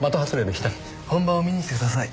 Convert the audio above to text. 本番を見に来てください。